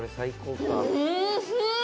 おいしい！